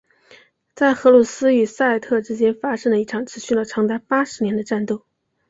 在荷鲁斯与赛特之间发生了一场持续了长达八十年的战斗。